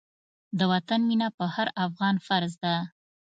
د وطن مينه په هر افغان فرض ده.